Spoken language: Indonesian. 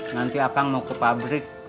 nanti akang mau ke pabrik